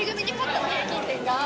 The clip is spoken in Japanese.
平均点が。